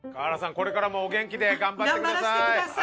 これからもお元気で頑張ってください。